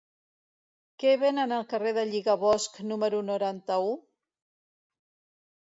Què venen al carrer del Lligabosc número noranta-u?